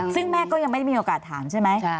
ซึ่งแม่ก็ยังไม่ได้มีโอกาสถามใช่ไหม